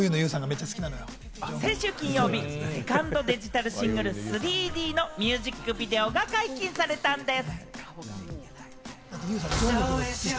先週金曜日、セカンドデジタルシングル『３Ｄ』のミュージックビデオが解禁されたんです。